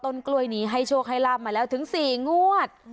ต้นกล้วยหนี้ไฮโชคใฮลามาแล้วคือถึง๔งวด